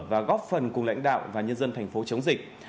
và góp phần cùng lãnh đạo và nhân dân thành phố chống dịch